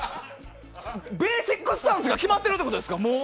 ベーシックスタンスが決まってるってことですか。